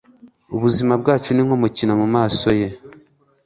ubuzima bwacu ni nk'umukino mu maso ye